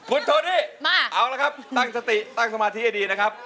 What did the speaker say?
คุณโทนี่เอาละครับตั้งสติตั้งสมาธิให้ดีนะครับ